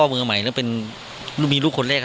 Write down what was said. มือใหม่แล้วเป็นมีลูกคนแรก